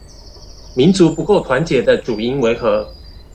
民族不夠團結的主因為何？